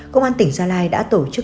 công an tỉnh gia lai đã tổ chức